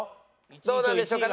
どうなんでしょうか？